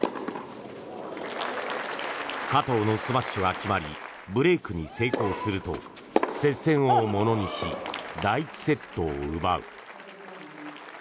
加藤のスマッシュが決まりブレークに成功すると接戦をものにし第１セットを奪う。